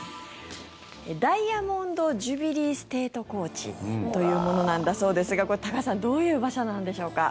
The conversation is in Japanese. ダイヤモンド・ジュビリー・ステート・コーチというものなんだそうですが多賀さんどういう馬車なんでしょうか。